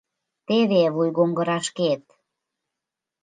Теве вуйгоҥгырашкет...